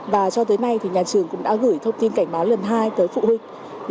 và cho tới nay thì nhà trường cũng đã gửi thông tin cảnh báo lần hai tới phụ huynh